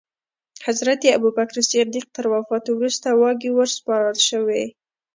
حضرت ابوبکر صدیق تر وفات وروسته واګې وروسپارل شوې.